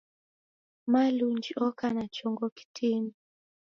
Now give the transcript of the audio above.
Malunji oka na chongo kitini.